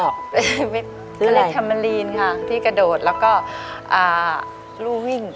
คลิปแทมนีนค่ะที่กระโดดแล้วก็ลูกวิ่ง